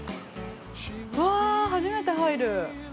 うわぁ、初めて入る。